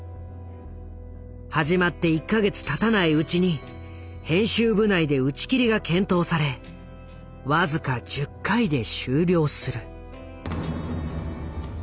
始まって１か月たたないうちに編集部内で打ち切りが検討され僅か１０回で終了する。